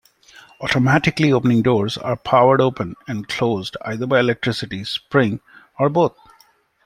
Automatically opening doors are powered open and closed either by electricity, spring, or both.